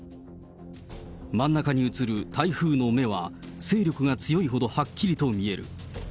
真ん中に映る台風の目は、勢力が強いほどはっきりと見える。